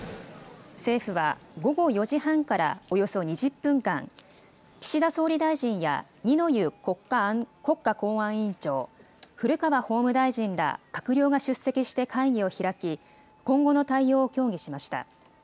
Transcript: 政府は、午後４時半から、およそ２０分間、岸田総理大臣や二之湯国家公安委員長、古川法務大臣ら、閣僚が出席して会議を開き、今後の対応を協議しました。